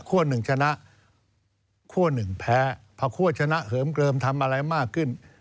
หนึ่งชนะคั่วหนึ่งแพ้พอคั่วชนะเหิมเกลิมทำอะไรมากขึ้น